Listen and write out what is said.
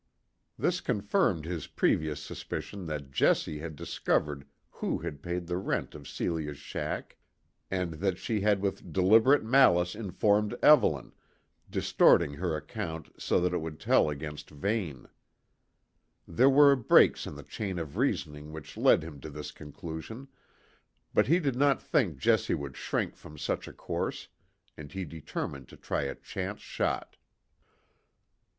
This confirmed his previous suspicion that Jessie had discovered who had paid the rent of Celia's shack, and that she had with deliberate malice informed Evelyn, distorting her account so that it would tell against Vane. There were breaks in the chain of reasoning which led him to this conclusion, but he did not think Jessie would shrink from such a course, and he determined to try a chance shot.